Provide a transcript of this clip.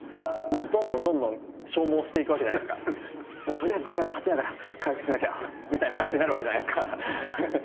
とりあえずこうやって立ちながら回復しなきゃみたいな感じになるわけじゃないですか。